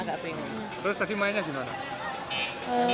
terus tadi mainnya gimana